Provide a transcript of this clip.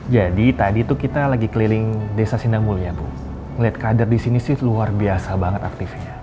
jadi tadi itu kita lagi keliling desa sindamuya bu ngeliat kader disini sih luar biasa banget aktifnya